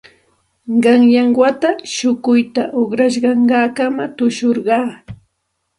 Qanyan wata shukuyta uqrashqayaq tushurqaa.